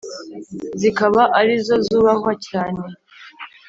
zikaba ari zo zubahwa cyane